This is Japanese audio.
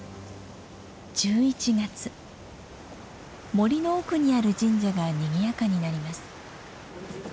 森の奥にある神社がにぎやかになります。